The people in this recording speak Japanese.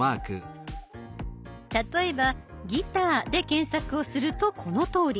例えば「ギター」で検索をするとこのとおり。